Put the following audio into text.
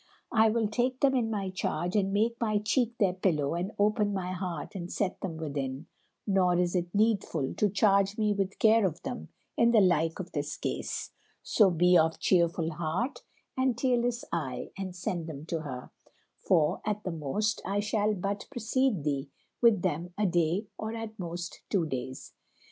I will take them in my charge and make my cheek their pillow and open my heart and set them within, nor is it needful to charge me with care of them in the like of this case; so be of cheerful heart and tearless eye and send them to her, for, at the most, I shall but precede thee with them a day or at most two days."